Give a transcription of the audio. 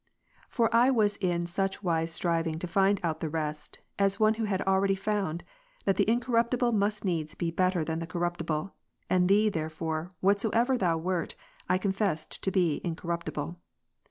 For I was in such wise striving to find out the rest, as one who had already found, that the incorruptible must needs be better than the corruptible : and Thee, there fore, whatsoever Thou wert, I confessed to be incorruptible.